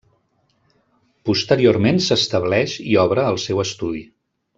Posteriorment s'estableix i obre el seu estudi.